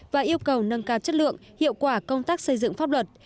và yêu cầu nâng cao chất lượng hiệu quả công tác xây dựng pháp luật